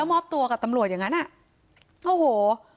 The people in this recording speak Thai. แล้วมอบตัวกับตำรวจอย่างนั้นโอ้โห